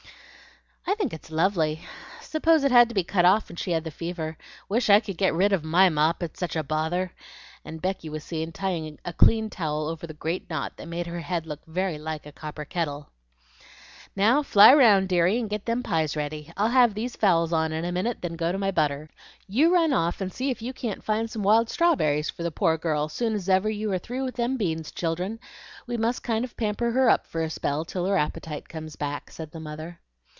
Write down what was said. "I think it's lovely. Suppose it had to be cut off when she had the fever. Wish I could get rid of my mop, it's such a bother;" and Becky was seen tying a clean towel over the great knot that made her head look very like a copper kettle. "Now fly round, deary, and get them pies ready. I'll have these fowls on in a minute, and then go to my butter. You run off and see if you can't find some wild strawberries for the poor girl, soon's ever you are through with them beans, children. We must kind of pamper her up for a spell till her appetite comes back," said the mother.